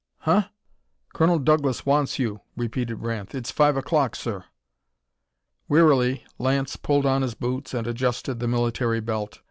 "Huh?" "Colonel Douglas wants you," repeated Ranth. "It's five o'clock, sir." Wearily Lance pulled on his boots and adjusted the military belt.